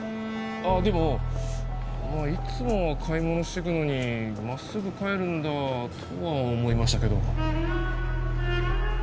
でもいつもは買い物してくのに真っすぐ帰るんだとは思いましたけど。